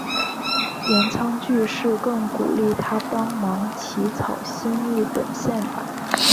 岩仓具视更鼓励他帮忙起草新日本宪法。